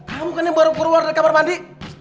kamu kan ini baru keluar dari kamar mandi